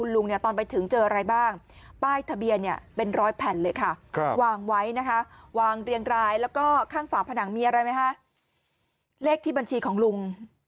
เลขที่บัญชีของลุง